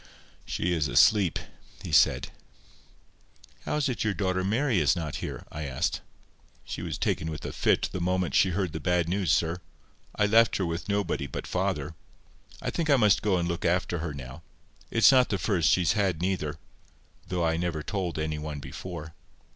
"She is asleep," he said. "How is it your daughter Mary is not here?" I asked. "She was taken with a fit the moment she heard the bad news, sir. I left her with nobody but father. I think I must go and look after her now. It's not the first she's had neither, though I never told any one before.